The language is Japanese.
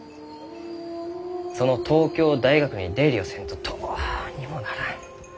その東京大学に出入りをせんとどうにもならん。